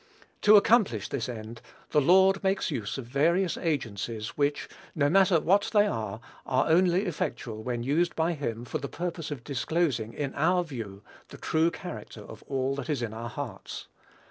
To accomplish this end, the Lord makes use of various agencies which, no matter what they are, are only effectual when used by him for the purpose of disclosing, in our view, the true character of all that is in our hearts.